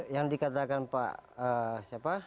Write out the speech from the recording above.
yang dikatakan pak siapa